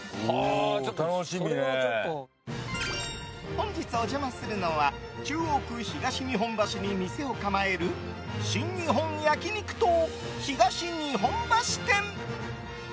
本日お邪魔するのは中央区東日本橋に店を構える新日本焼肉党東日本橋店。